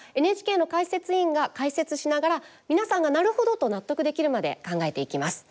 ＮＨＫの解説委員が解説しながら皆さんがなるほどと納得できるまで考えていきます。